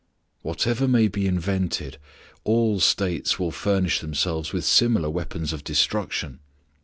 Whatever may be invented, all States will furnish themselves with similar weapons of destruction.